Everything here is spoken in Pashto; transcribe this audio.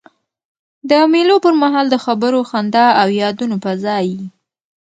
د مېلو پر مهال د خبرو، خندا او یادونو فضا يي.